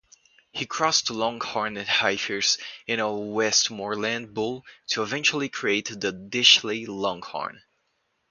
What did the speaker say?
He crossed long-horned heifers and a Westmoreland bull to eventually create the Dishley Longhorn.